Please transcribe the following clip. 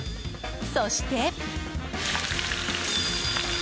そして。